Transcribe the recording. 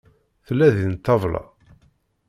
Tella din ṭṭabla.